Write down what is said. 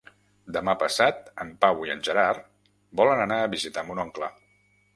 Demà passat en Pau i en Gerard volen anar a visitar mon oncle.